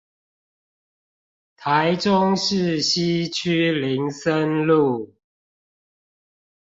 台中市西區林森路